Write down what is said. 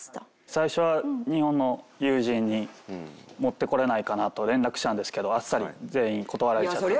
最初は日本の友人に持って来れないかなと連絡したんですけどあっさり全員断られちゃったんで。